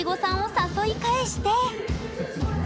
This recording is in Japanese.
誘い返して。